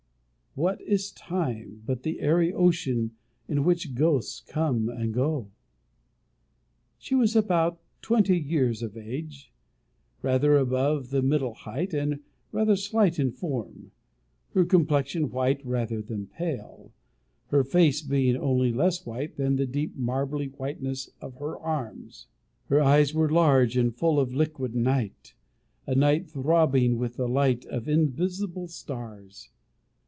What is time, but the airy ocean in which ghosts come and go! She was about twenty years of age; rather above the middle height, and rather slight in form; her complexion white rather than pale, her face being only less white than the deep marbly whiteness of her arms. Her eyes were large, and full of liquid night a night throbbing with the light of invisible stars.